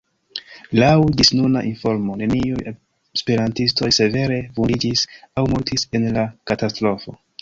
Laŭ ĝisnuna informo, neniuj esperantistoj severe vundiĝis aŭ mortis en la katastrofo.